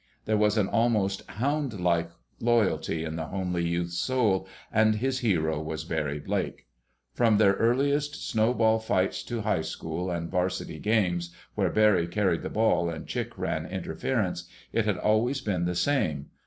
There was an almost hound like loyalty in the homely youth's soul, and his hero was Barry Blake. From their earliest snow ball battles to high school and varsity games where Barry carried the ball and Chick ran interference, it had always been the same.